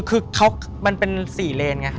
คือเขามันเป็นสี่เรนค่ะแมงค่ะ